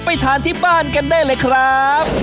ไปทานที่บ้านกันได้เลยครับ